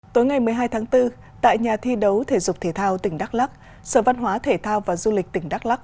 tối ngày một mươi hai tháng bốn tại nhà thi đấu thể dục thể thao tỉnh đắk lắc sở văn hóa thể thao và du lịch tỉnh đắk lắc